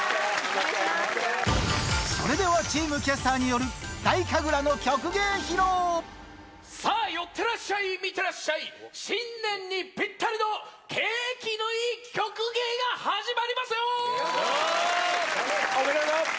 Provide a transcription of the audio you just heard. それではチームキャスターにさあ、寄ってらっしゃい、見てらっしゃい、新年にぴったりの景気のいい曲芸が始まりますよー！